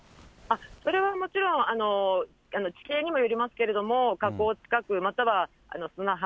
それはもちろん、地形にもよりますけれども、河口近く、または砂浜、